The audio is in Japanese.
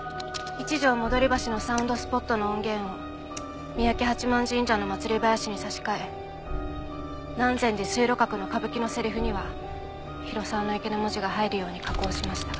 一条戻橋のサウンドスポットの音源を三宅八幡神社の祭り囃子に差し替え南禅寺水路閣の歌舞伎のセリフにはＨＩＲＯＳＡＷＡＮＯＩＫＥの文字が入るように加工しました。